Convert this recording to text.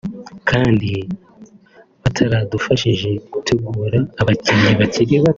kandi bataradufashije gutegura abakinnyi bakiri bato